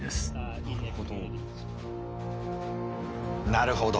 なるほど。